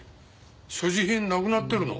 所持品なくなってるの？